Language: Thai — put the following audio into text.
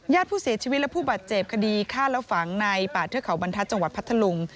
ผู้เสียชีวิตและผู้บาดเจ็บคดีฆ่าแล้วฝังในป่าเทือกเขาบรรทัศน์จังหวัดพัทธลุง